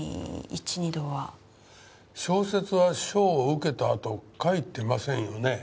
小説は賞を受けたあと書いていませんよね？